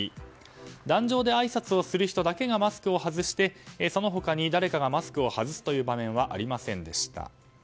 壇上であいさつをする人だけがマスクを外してその他に誰かがマスクを外す場面はありませんでした。